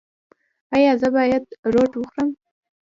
ایا زه باید روټ وخورم؟